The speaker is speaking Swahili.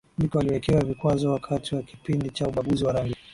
Biko aliwekewa vikwazo wakati wa kipindi cha ubaguzi wa rangi